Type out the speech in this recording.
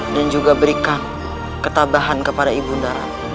dan juga berikan ketabahan kepada ibu nda